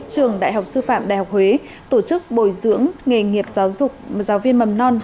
trường đại học sư phạm đại học huế tổ chức bồi dưỡng nghề nghiệp giáo dục giáo viên mầm non